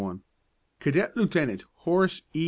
_ Cadet Lieutenant Horace E.